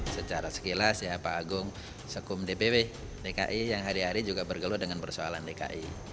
secara sekilas ya pak agung sekum dpw dki yang hari hari juga bergelut dengan persoalan dki